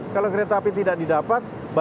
kalau kereta api tidak didapat baru diambil